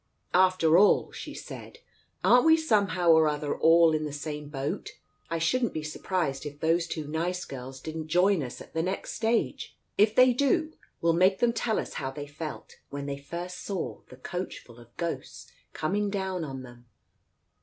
"After all," she said, "aren't we somehow or other all in the same boat ? I shouldn't be surprised if those two nice girls didn't join us at the next stage. If they do, we'll make them tell us how they felt, when they first saw the coachful of ghosts coming down on them.